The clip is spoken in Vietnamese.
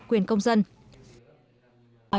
quyền công dân